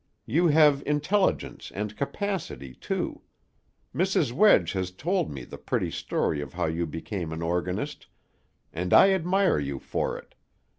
You have intelligence and capacity, too. Mrs. Wedge has told me the pretty story of how you became an organist, and I admire you for it.